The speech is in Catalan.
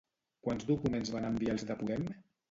Quants documents van enviar els de Podem?